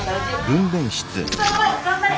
頑張れ！